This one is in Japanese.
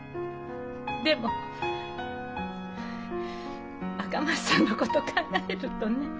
でも赤松さんのこと考えるとね。